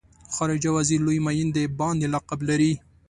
خارجه وزیر لوی معین د باندې لقب لري.